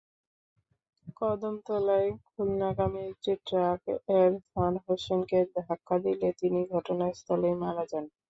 কদমতলায় খুলনাগামী একটি ট্রাক এরফান হোসেনকে ধাক্কা দিলে তিনি ঘটনাস্থলেই মারা যান।